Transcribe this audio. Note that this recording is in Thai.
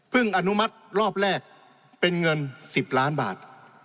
อนุมัติรอบแรกเป็นเงิน๑๐ล้านบาท